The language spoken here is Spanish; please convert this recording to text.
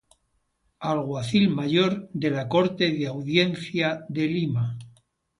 Alguacil Mayor de la Corte de Audiencia de Lima.